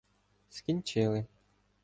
Скінчили.